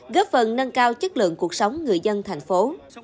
góp phần nâng cao chất lượng cuộc sống người dân thành phố